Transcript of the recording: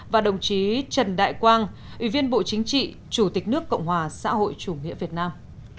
và đồng chí trần đại quang ủy viên bộ chính trị chủ tịch nước cộng hòa xã hội chủ nghĩa việt nam